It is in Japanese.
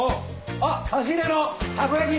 あっ差し入れのたこ焼き！